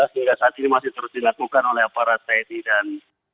sehingga saat ini masih terus dilakukan oleh aparat tni dan